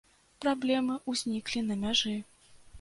Праблемы ўзніклі на мяжы.